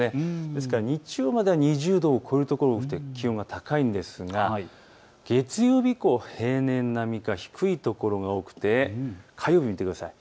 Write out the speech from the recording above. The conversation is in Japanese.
ですから日曜日までは２０度を超える所が多くて気温が高いですが月曜日以降は平年並みか低い所が多く火曜日を見てください。